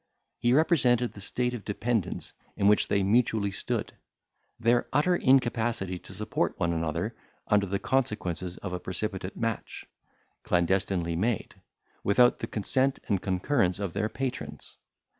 He represented the state of dependence in which they mutually stood; their utter incapacity to support one another under the consequences of a precipitate match, clandestinely made, without the consent and concurrence of their patrons.